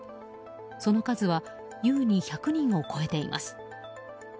その数は優に１００人を超えています。